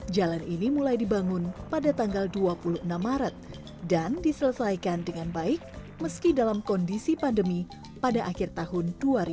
jalan ini mulai dibangun pada tanggal dua puluh enam maret dan diselesaikan dengan baik meski dalam kondisi pandemi pada akhir tahun dua ribu dua puluh